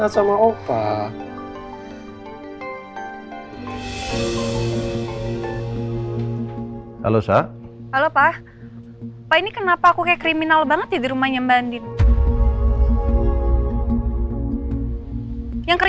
sampai jumpa di video selanjutnya